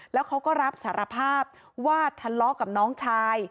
แล้วเขาก็รับสารภาพว่าทะเลาะกับน้องชาย